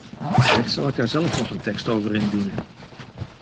Wellicht zal ik daar zelf nog een tekst over indienen.